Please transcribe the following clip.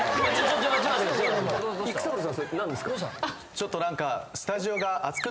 ちょっと何か暑い？